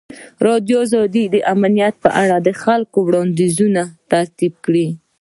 ازادي راډیو د امنیت په اړه د خلکو وړاندیزونه ترتیب کړي.